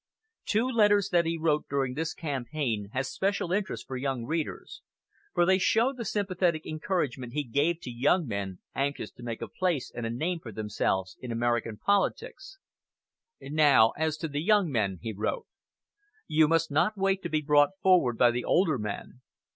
Two letters that he wrote during this campaign have special interest for young readers, for they show the sympathetic encouragement he gave to young men anxious to make a place and a name for themselves in American politics. "Now as to the young men," he wrote. "You must not wait to be brought forward by the older men.